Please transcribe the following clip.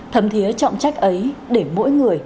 thầm thiế trọng trách ấy để mỗi người